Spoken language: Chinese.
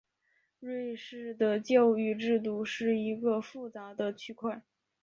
瑞士的教育制度是一个复杂的区块。